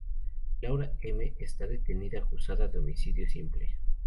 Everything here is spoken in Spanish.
Laura M. está detenida acusada de homicidio simple.